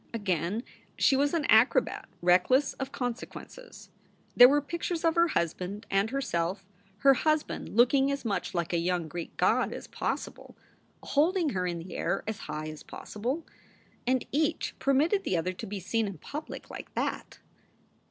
Again she was an acrobat reckless of consequences. There were pictures of her husband and herself, her husband looking as much like a young Greek god as possible, holding her in the air as high as possible. And each permitted the other to be seen in public like that!